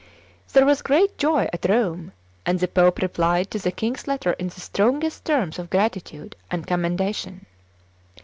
There was great joy at Rome, and the pope replied to the king's letter in the strongest terms of gratitude and commendation.